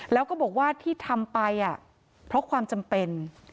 แล้วก็บอกว่าที่ทำไปเพราะความจำเป็น